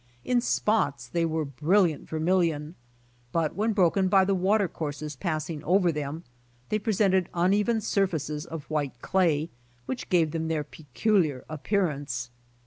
In spots they were brilliant vermillion, but when broken by the 72 BY ox TEAM TO CALIFORNIA water courses passing over them, they presented uneven surfaces of white clay, which gave them their peculiar appearance.